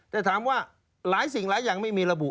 แต่ถามว่าหลายสิ่งหลายอย่างไม่มีระบุ